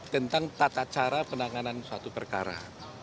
tentang tata cara penanganan suatu perkara